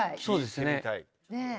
そうですね。